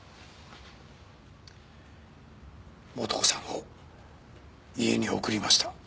素子さんを家に送りました。